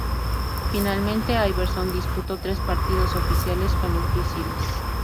Finalmente, Iverson disputó tres partidos oficiales con los Grizzlies.